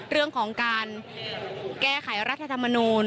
เรื่องของการแก้ไขรัฐธรรมนูล